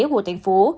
của thành phố